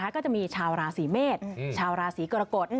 ก็จะมีชาวราศีเมษชาวราศีกรกฎ